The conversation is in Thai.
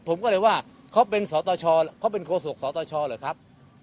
ผมก็เลยว่าเขาเป็นสตชเขาเป็นโคศกสตชเหรอครับ